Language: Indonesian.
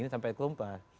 ini sampai kelompas